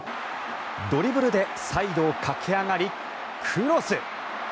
ドリブルでサイドを駆け上がりクロス！